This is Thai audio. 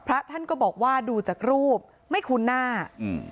พระท่านก็บอกว่าดูจากรูปไม่คุ้นหน้าอืม